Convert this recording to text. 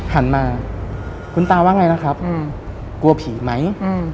หันมาคุณตาว่าไงนะครับกลัวผีไหม